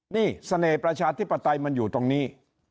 นี่เสน่ห์ประชาธิปไตยมันอยู่ตรงนี้